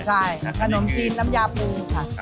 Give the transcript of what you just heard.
ใช่ขนมจีนน้ำยาปูค่ะ